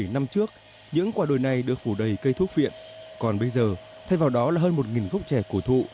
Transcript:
bảy năm trước những quả đồi này được phủ đầy cây thuốc viện còn bây giờ thay vào đó là hơn một gốc trẻ cổ thụ